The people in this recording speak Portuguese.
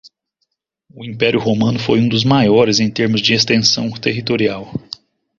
O Império Romano foi um dos maiores em termos de extensão territorial